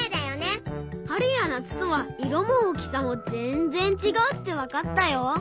はるやなつとはいろもおおきさもぜんぜんちがうってわかったよ！